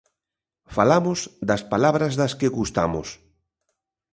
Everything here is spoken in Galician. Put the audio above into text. Falamos das palabras das que gustamos.